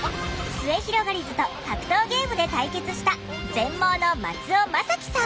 すゑひろがりずと格闘ゲームで対決した全盲の松尾政輝さん。